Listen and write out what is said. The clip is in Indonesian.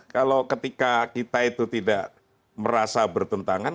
kalau ketika kita itu tidak merasa bertentangan